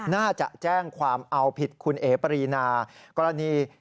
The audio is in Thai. น่าจะแจ้งความเอาผิดคุณเอ๋ปรีนากรณี